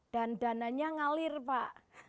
dan dananya ngalir pak